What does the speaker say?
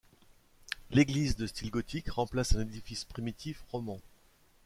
L'église de style gothique remplace un édifice primitif roman.